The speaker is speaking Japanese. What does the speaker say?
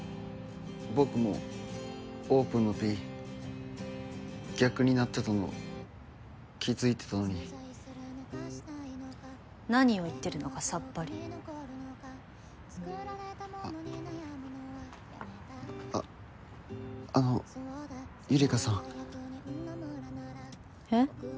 僕もＯＰＥＮの「Ｐ」逆になってたの気づいてたのに何を言ってるのかさっぱりああのゆりかさんえっ？